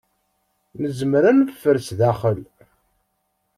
Nezmer ad neffer sdaxel.